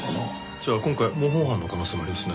じゃあ今回模倣犯の可能性もありますね。